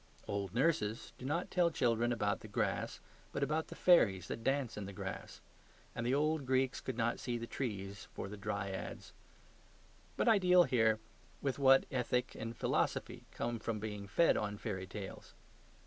Old nurses do not tell children about the grass, but about the fairies that dance on the grass; and the old Greeks could not see the trees for the dryads. But I deal here with what ethic and philosophy come from being fed on fairy tales.